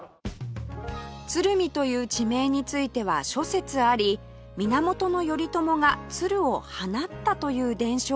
鶴見という地名については諸説あり源頼朝が鶴を放ったという伝承が由来の一つだそうです